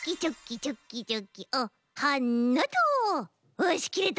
よしきれた。